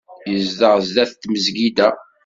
Yezdeɣ sdat tmesgida.